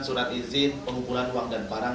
surat izin pengumpulan uang dan barang